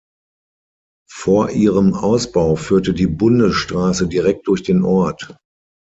Vor ihrem Ausbau führte die Bundesstraße direkt durch den Ort.